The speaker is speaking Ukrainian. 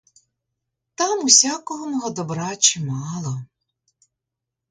Там усякого мого добра чимало.